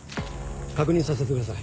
確認させてください。